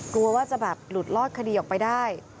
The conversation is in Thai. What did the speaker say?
กลัวว่าจะแบบหลุดลอดคดีออกไปได้